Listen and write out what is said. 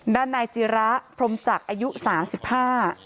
ด้านนายจิระพรมจักรอายุสามสิบห้า